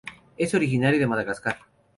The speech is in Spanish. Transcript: Es originario de Madagascar.